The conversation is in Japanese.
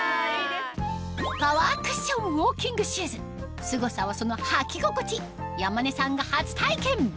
パワークッションウォーキングシューズすごさはその履き心地山根さんが初体験！